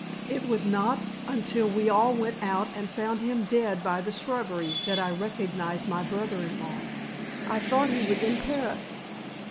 It was not until we all went out and found him dead by the shrubbery that I recognized my brother in law. I thought he was in Paris."